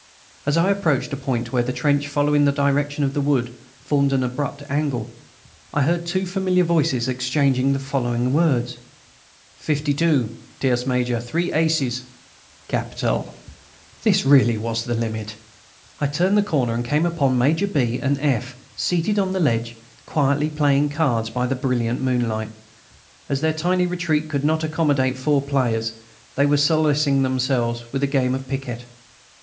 As I approached a point where the trench, following the direction of the wood, formed an abrupt angle, I heard two familiar voices exchanging the following words: "Fifty two!... Tierce major...; three aces!" "Capital!" This was really the limit! I turned the corner and came upon Major B. and F. seated on the ledge, quietly playing cards by the brilliant moonlight. As their tiny retreat could not accommodate four players, they were solacing themselves with a game of piquet.